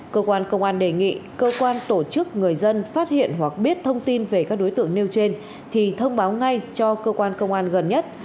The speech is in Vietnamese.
cơ quan công an đề nghị cơ quan tổ chức người dân phát hiện hoặc biết thông tin về các đối tượng nêu trên thì thông báo ngay cho cơ quan công an gần nhất